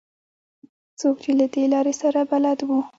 څوک چې له دې لارې سره بلد وو.